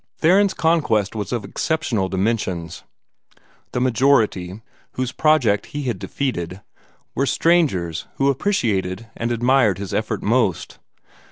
Theron's conquest was of exceptional dimensions. The majority, whose project he had defeated, were strangers who appreciated and admired his effort most.